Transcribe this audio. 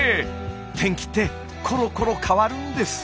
天気ってコロコロ変わるんです。